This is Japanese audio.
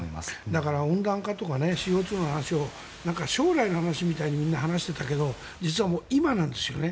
だから温暖化とかＣＯ２の話を将来の話みたいにみんな話していたけど実は今なんですよね。